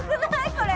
これ！